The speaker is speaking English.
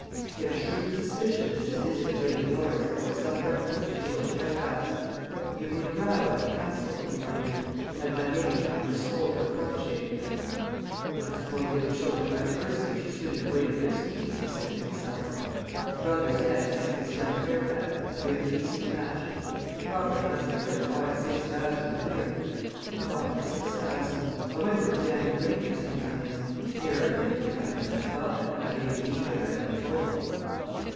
He had a shrewd suspicion that this visit of Lady Laura's bore some reference to George Fairfax. Had there been a row at the Castle? he wondered, and had my lady come to scold her protégée? "I don't suppose they would show her much mercy if she stood in the way of their schemes," he said to himself. "His brother's death makes this young Fairfax a very decent match. The property must be worth five or six thousand a year five or six thousand. I wonder what Daniel Granger's income is? Nearer fifty thousand than five, if I may believe what I have been told."